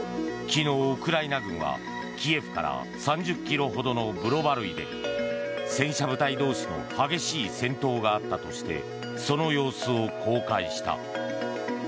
昨日、ウクライナ軍はキエフから３０ｋｍほどのブロバルイで戦車部隊同士の激しい戦闘があったとしてその様子を公開した。